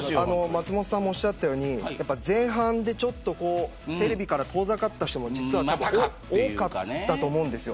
松本さんもおっしゃったように前半でテレビから遠ざかった人も多かったと思うんです。